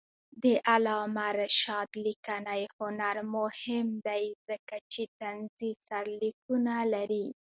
د علامه رشاد لیکنی هنر مهم دی ځکه چې طنزي سرلیکونه لري.